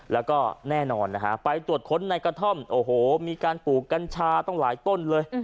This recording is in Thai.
แล้วก็แน่นอนนะฮะไปตรวจค้นในกระท่อมโอ้โหมีการปลูกกัญชาต้องหลายต้นเลย